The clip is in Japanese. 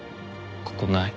ここない。